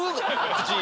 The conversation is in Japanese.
口。